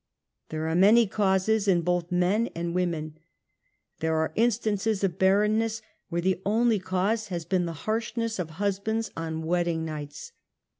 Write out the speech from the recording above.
There are many causes in both men and women. There are instances of barrenness, where the only cause has been the harshness of husbands on wedding nights.